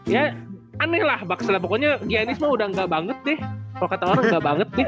ya aneh lah baksel pokoknya giannis mah udah gak banget deh kalo kata orang gak banget deh